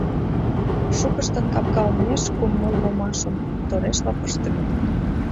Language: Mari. Шукыштын капка олмеш кум-ныл ломашым торешла пыштыме.